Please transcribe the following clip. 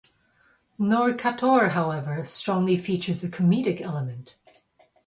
Knorkator, however, strongly features a comedic element.